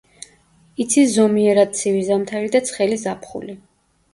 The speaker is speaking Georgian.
იცის ზომიერად ცივი ზამთარი და ცხელი ზაფხული.